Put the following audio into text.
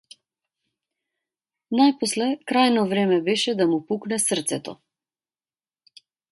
Најпосле крајно време беше да му пукне срцето.